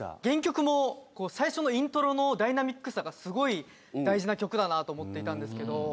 原曲も最初のイントロのダイナミックさがすごい大事な曲だなと思っていたんですけど